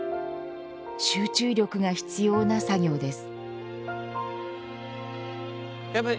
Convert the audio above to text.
集中力が必要な作業です。